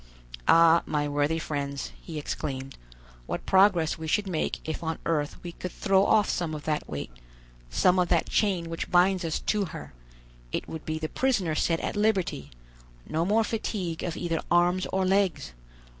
"Ah, my worthy friends," he exclaimed, "what progress we should make if on earth we could throw off some of that weight, some of that chain which binds us to her; it would be the prisoner set at liberty; no more fatigue of either arms or legs.